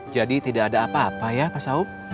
jadi tidak ada apa apa ya pak saum